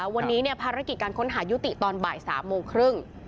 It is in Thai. วันนี้ภารกิจการค้นหายุติตอนบ่าย๓โมงครึ่ง